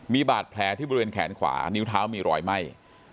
มีบาดแผลที่บริเวณแขนขวานิ้วเท้ามีรอยไหม้